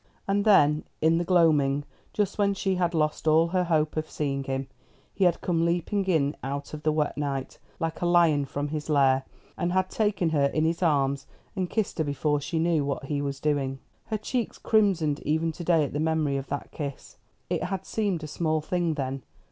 And then, in the gloaming, just when she had lost all hope of seeing him, he had come leaping in out of the wet night, like a lion from his lair, and had taken her in his arms and kissed her before she knew what he was doing. Her cheeks crimsoned even to day at the memory of that kiss. It had seemed a small thing then.